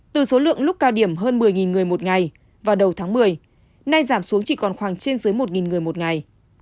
từ số lượng lúc cao điểm hơn một mươi người một ngày vào đầu tháng một mươi nay giảm xuống chỉ còn khoảng trên dưới một người một ngày